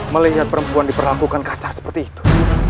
melihat perempuan diperlakukan kasah seperti itu